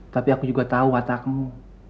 tapi aku juga tahu atakmu